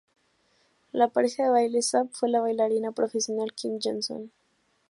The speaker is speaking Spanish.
La pareja de baile de Sapp fue la bailarina profesional Kym Johnson.